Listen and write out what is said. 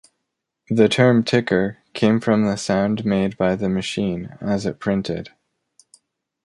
The term "ticker" came from the sound made by the machine as it printed.